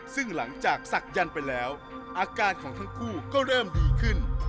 ซึ่งหลังจากศักดิ์ไปแล้วอาการของทั้งคู่ก็เริ่มดีขึ้น